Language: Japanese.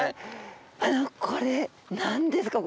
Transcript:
あのこれ何ですか？